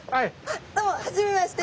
どうも初めまして。